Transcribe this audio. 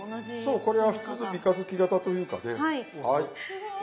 そうこれは普通の三日月型というかねはい。